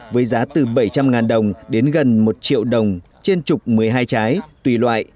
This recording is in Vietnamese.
với giá từ bảy trăm linh đồng đến gần một triệu đồng trên chục một mươi hai trái tùy loại